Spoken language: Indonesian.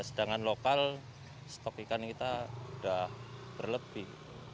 sedangkan lokal stok ikan kita sudah berlebih